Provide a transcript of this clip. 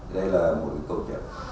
đây là một câu chuyện